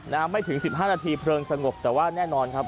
น้ำไม่ถึง๑๕นาทีเพลิงสงบแต่ว่าแน่นอนครับ